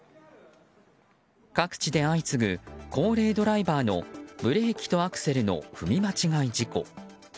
各地で相次ぐ高齢ドライバーのブレーキとアクセルの踏み間違い事故。